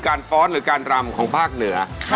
ฟ้อนหรือการรำของภาคเหนือ